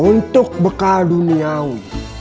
untuk bekal duniawi